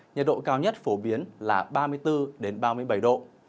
nhiệt độ cao nhất phổ biến là ba mươi bốn ba mươi bảy độ